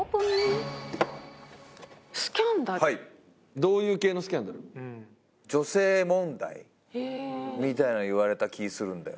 どういう系のスキャンダル？みたいなの言われた気するんだよな。